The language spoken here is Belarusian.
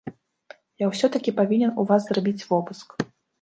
Я ўсё-такі павінен у вас зрабіць вобыск.